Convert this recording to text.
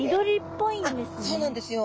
そうなんですよ。